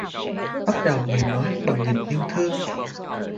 Bắt đầu ngày mới bằng nghìn yêu thương.